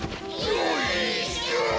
よいしょ！